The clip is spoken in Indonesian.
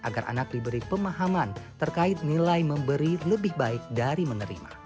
agar anak diberi pemahaman terkait nilai memberi lebih baik dari menerima